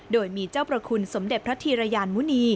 โดยมีเจ้าประคุณสมเด็จพระธีรยานมุณี